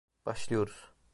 Başlıyoruz!